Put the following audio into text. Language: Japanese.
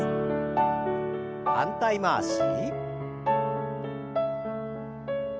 反対回し。